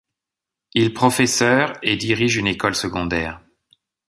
Il professeur et dirige une école secondaire.